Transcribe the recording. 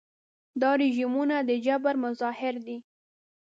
دا رژیمونه د جبر مظاهر دي.